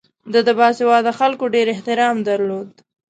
ده د باسواده خلکو ډېر احترام درلود.